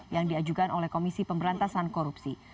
yang diajukan oleh komisi pemberantasan korupsi